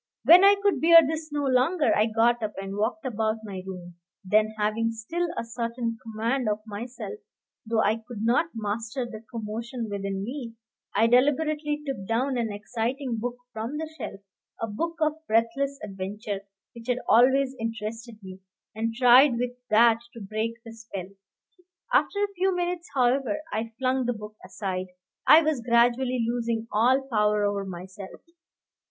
When I could bear this no longer I got up and walked about my room; then having still a certain command of myself, though I could not master the commotion within me, I deliberately took down an exciting book from the shelf, a book of breathless adventure which had always interested me, and tried with that to break the spell. After a few minutes, however, I flung the book aside; I was gradually losing all power over myself.